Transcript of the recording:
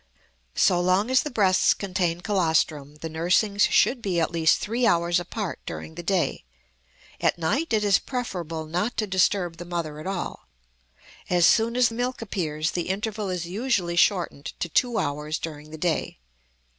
So long as the breasts contain colostrum the nursings should be at least three hours apart during the day; at night it is preferable not to disturb the mother at all. As soon as milk appears the interval is usually shortened to two hours during the day.